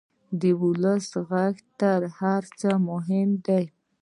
د ولس غږ تر هر څه مهم دی.